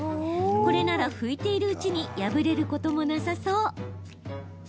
これなら拭いているうちに破れることもなさそう。